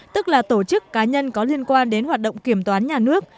tức là tổ chức cá nhân có liên quan đến hoạt động kiểm toán nhà nước